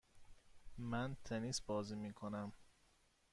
من تنیس بازی میکنم.